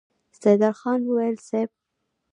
سيدال خان وويل: صېب!